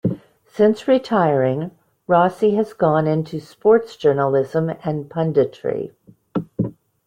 Since retiring, Rossi has gone into sports journalism and punditry.